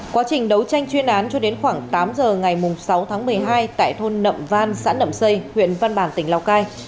quá trình đấu tranh chuyên án cho đến khoảng tám giờ ngày sáu tháng một mươi hai tại thôn nậm van xã nậm xây huyện văn bàn tỉnh lào cai